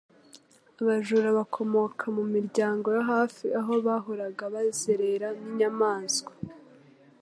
Abajura bakomoka mu miryango yo hafi aho bahoraga bazerera n'inyamaswa